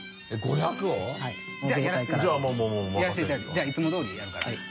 じゃあいつも通りやるから。